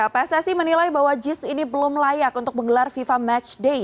pssi menilai bahwa jis ini belum layak untuk menggelar fifa matchday